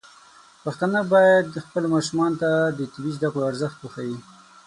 پښتانه بايد خپلو ماشومانو ته د طبي زده کړو ارزښت وښيي.